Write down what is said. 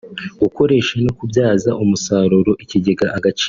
gukoresha no kubyaza umusaruro ikigega Agaciro